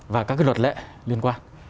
và các cái luật lệ liên quan